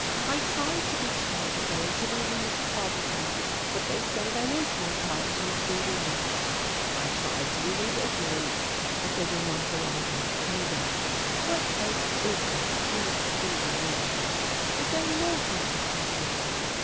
I tried to be charitable, to relieve poverty, but they say there is no poverty to be relieved. I tried to relieve ignorance, but they will not allow that either. What else is there that needs to be relieved? Is there no good I can do?"